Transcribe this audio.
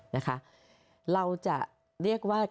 นะคะเราจะเรียกว่า